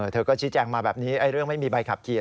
เธอก็ชี้แจงมาแบบนี้เรื่องไม่มีใบขับขี่